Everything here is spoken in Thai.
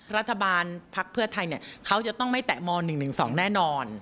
ภักดิ์เพื่อไทยเขาจะต้องไม่แตะม๑๑๒แน่นอน